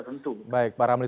dengan kasus kasus tertentu